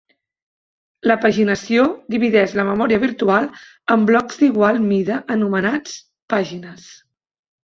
La paginació divideix la memòria virtual en blocs d'igual mida anomenats pàgines.